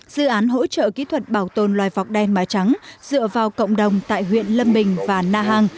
dự án hỗ trợ kỹ thuật bảo tồn loài vọc đen mái trắng dựa vào cộng đồng tại huyện lâm bình và na hàng